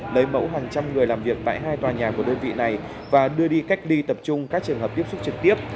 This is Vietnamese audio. lấy mẫu hàng trăm người làm việc tại hai tòa nhà của đơn vị này và đưa đi cách ly tập trung các trường hợp tiếp xúc trực tiếp